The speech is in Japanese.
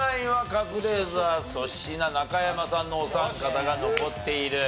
カズレーザー粗品中山さんのお三方が残っている。